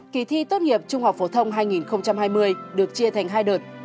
kỳ thi tốt nghiệp trung học phổ thông hai nghìn hai mươi được chia thành hai đợt